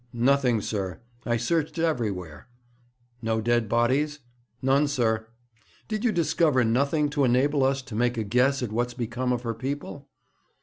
'Nothing, sir. I searched everywhere.' 'No dead bodies?' 'None, sir.' 'Did you discover nothing to enable us to make a guess at what's become of her people?'